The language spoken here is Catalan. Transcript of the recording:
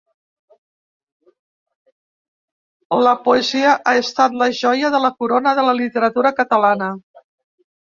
La poesia ha estat la joia de la corona de la literatura catalana.